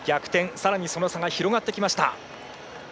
さらにその差が広がってきました。